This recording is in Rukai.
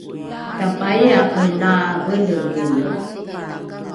tapaia’e la velevele